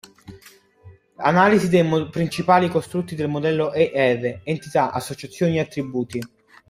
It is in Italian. Analisi dei principali costrutti del modello E-R: entità, associazioni e attributi.